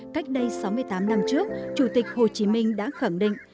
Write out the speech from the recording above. cách đây sáu mươi tám năm trước chủ tịch hồ chí minh đã khẳng định